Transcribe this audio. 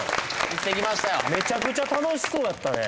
行ってきましたよ